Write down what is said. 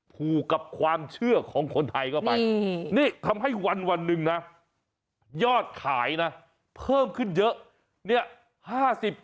ผูกกับความเชื่อของคนไทยเข้าไปนี่ทำให้วันหนึ่งนะยอดขายนะเพิ่มขึ้นเยอะเนี่ย